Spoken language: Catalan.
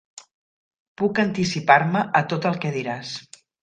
Puc anticipar-me a tot el que diràs.